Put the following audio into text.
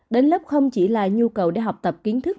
đến lớp không chỉ là nhu cầu để học tập kiến thức